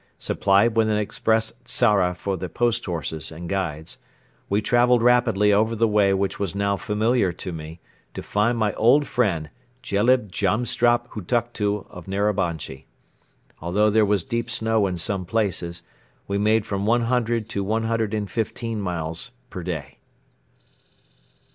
Supplied with an express tzara for the post horses and guides, we traveled rapidly over the way which was now familiar to me to find my old friend, Jelib Djamsrap Huktuktu of Narabanchi. Although there was deep snow in some places, we made from one hundred to one hundred and fifteen miles per day.